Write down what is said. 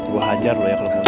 gue hajar lu ya kalau kemana